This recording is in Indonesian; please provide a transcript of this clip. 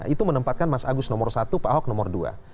itu menempatkan mas agus nomor satu pak ahok nomor dua